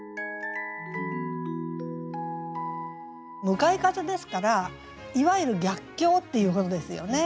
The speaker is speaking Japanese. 向かい風ですからいわゆる逆境っていうことですよね。